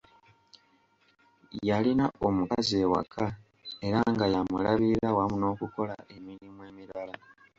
Yalina omukozi ewaka era nga y'amulabirira wamu n'okukola emirimu emirala.